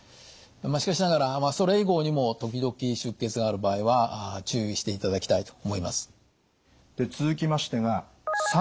しかしながらそれ以降にも時々出血がある場合は注意していただきたいと思います。